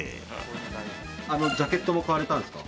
ジャケットも買われたんですか？